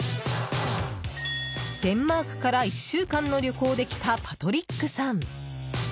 デンマークから１週間の旅行で来たパトリックさん。